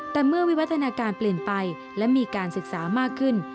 แต่เมื่อวิวัฒนาการเปลี่ยนไปและมีการศึกษามากขึ้น